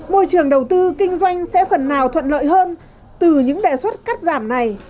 môi trường đầu tư kinh doanh sẽ phần nào thuận lợi hơn từ những đề xuất cắt giảm này